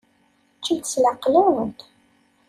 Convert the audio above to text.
Ččemt s leɛqel-nwent.